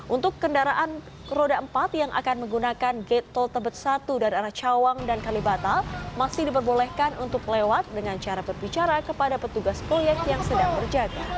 untuk kendaraan roda empat yang akan menggunakan gate tol tebet satu dari arah cawang dan kalibata masih diperbolehkan untuk lewat dengan cara berbicara kepada petugas proyek yang sedang berjaga